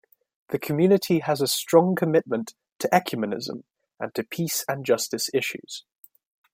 The community has a strong commitment to ecumenism and to peace and justice issues.